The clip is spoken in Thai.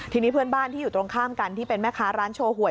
ทีนี้เพื่อนบ้านที่อยู่ตรงข้ามกันที่เป็นแม่ค้าร้านโชว์หวย